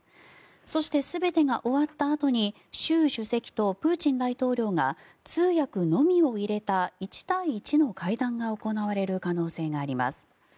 そして、全てが終わったあとに習主席とプーチン大統領が通訳のみを入れた１対１の会談が行われる可能性があります。